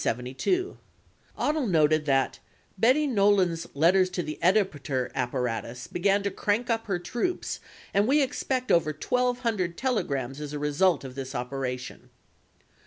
45 Odle noted that "Betty Nolan's letters to the editor apparatus began to crank up her troops and we expect over 1,200 telegrams as a result of this operation."